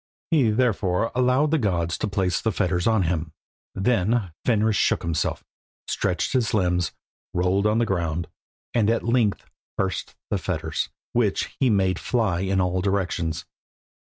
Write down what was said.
He therefore allowed the gods to place the fetters on him. Then Fenris shook himself, stretched his limbs, rolled on the ground, and at length burst the fetters, which he made fly in all directions.